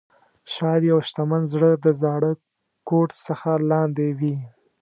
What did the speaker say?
شاید یو شتمن زړه د زاړه کوټ څخه لاندې وي.